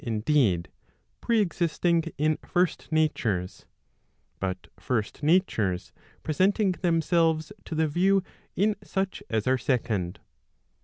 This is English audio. indeed, preexisting in first natures, but first natures presenting themselves to the view in such as are second.